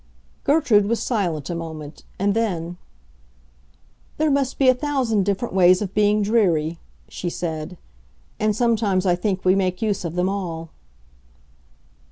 Gertrude was silent a moment; and then, "There must be a thousand different ways of being dreary," she said; "and sometimes I think we make use of them all."